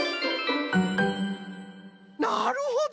なるほど！